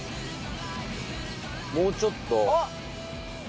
もうちょっと。